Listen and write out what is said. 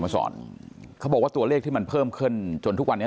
มาสอนเขาบอกว่าตัวเลขที่มันเพิ่มขึ้นจนทุกวันนี้